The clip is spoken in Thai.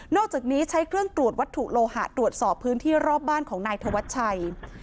อกจากนี้ใช้เครื่องตรวจวัตถุโลหะตรวจสอบพื้นที่รอบบ้านของนายธวัชชัย